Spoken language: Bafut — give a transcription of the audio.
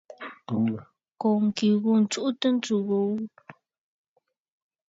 Kó ŋkì ghû ǹtsuʼutə ntsù gho gho.